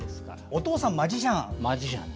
お父さん、マジシャン！